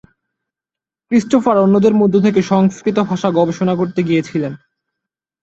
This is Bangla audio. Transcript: ক্রিস্টোফার অন্যদের মধ্যে থেকে সংস্কৃত ভাষা গবেষণা করতে গিয়েছিলেন।